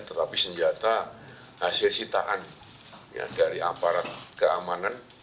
tetapi senjata hasil sitaan dari aparat keamanan